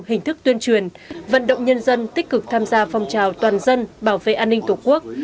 hình thức tuyên truyền vận động nhân dân tích cực tham gia phong trào toàn dân bảo vệ an ninh tổ quốc